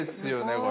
これ。